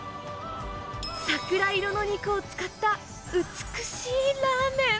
桜色の肉を使った、美しいラーメン。